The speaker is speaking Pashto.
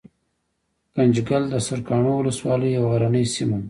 ګنجګل دسرکاڼو ولسوالۍ يو غرنۍ سيمه ده